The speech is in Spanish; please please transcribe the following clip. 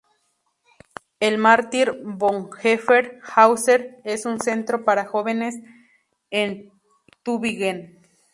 El "Martin-Bonhoeffer-Häuser", es un centro para jóvenes en Tübingen.